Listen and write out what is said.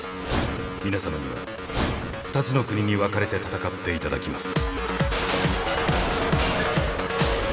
皆さまには２つの国に分かれて戦っていただきます。